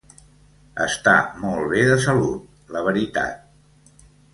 Està molt bé de salut, la veritat.